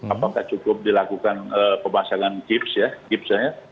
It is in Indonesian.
apakah cukup dilakukan pemasangan chips ya chips nya